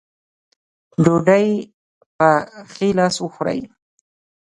ډوډۍ پۀ ښي لاس وخورئ ـ